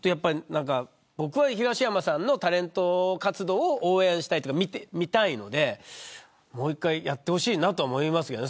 僕は東山さんのタレント活動を応援したいというか見たいので、もう一回やってほしいと思いますけど。